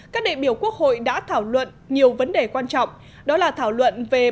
các đệ biểu quốc hội đã thảo luận nhiều vấn đề quan trọng